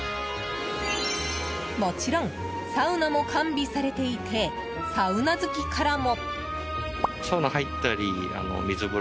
もちろんサウナも完備されていてサウナ好きからも。